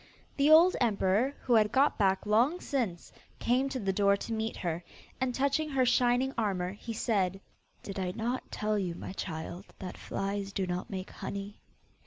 The old emperor, who had got back long since, came to the door to meet her, and touching her shining armour, he said, 'Did I not tell you, my child, that flies do not make honey?